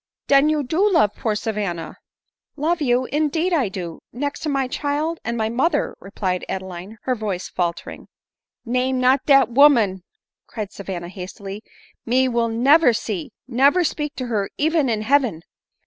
" Den you do love poor Savanna ?"" Love you ! Indeed I do, next to my child, and — and my mother," replied Adeline, her voice faltering. " Name not dat woman," cried Savanna hastily ; "me will never see, never speak to her even in heaven."